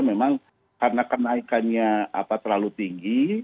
memang karena kenaikannya terlalu tinggi